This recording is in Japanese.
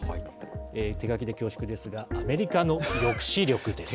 手書きで恐縮ですが、アメリカの抑止力です。